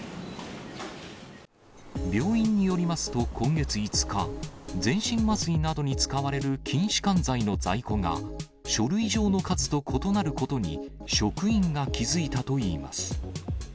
病院によりますと、今月５日、全身麻酔などに使われる筋しかん剤の在庫が、書類上の数と異なることに、職員が気付いたといいます。